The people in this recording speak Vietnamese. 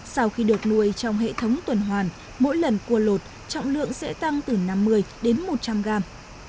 sau khi được nuôi trong hệ thống tuần hoàn mỗi lần cua lột trọng lượng sẽ tăng từ năm mươi đến một trăm linh gram